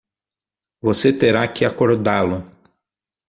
Você terá que acordá-lo.